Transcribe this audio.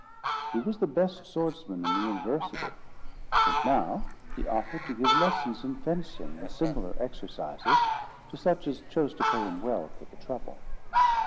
He was the best swordsman in the University; and now he offered to give lessons in fencing and similar exercises, to such as chose to pay him well for the trouble.